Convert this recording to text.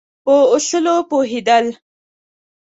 په اصولو پوهېدل.